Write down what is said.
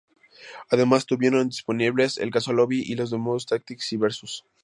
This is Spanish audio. Además, tuvieron disponibles el "Casual Lobby" y los modos "Tactics" y "Versus".